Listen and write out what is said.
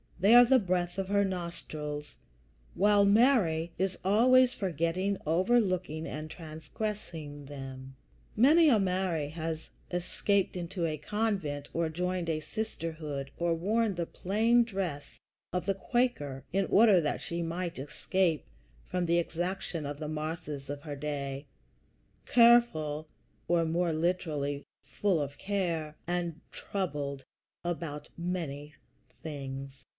They are the breath of her nostrils, while Mary is always forgetting, overlooking, and transgressing them. Many a Mary has escaped into a convent, or joined a sisterhood, or worn the plain dress of the Quaker in order that she might escape from the exaction of the Marthas of her day, "careful [or, more literally, full of care] and troubled about many things."